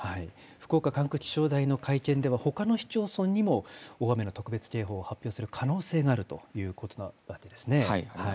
福岡管区気象台の会見では、ほかの市町村にも大雨の特別警報を発表する可能性があるということなわけですね。